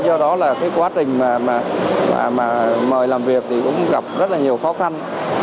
do đó là cái quá trình mà mời làm việc thì cũng gặp rất là nhiều khó khăn